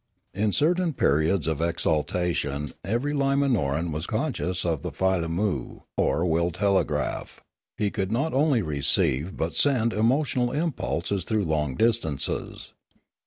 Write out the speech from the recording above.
In certain periods of exaltation every Limanoran was conscious of the filammu or will telegraph; he could not only receive but send emotional impulses through long distances.